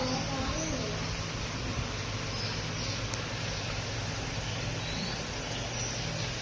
อืม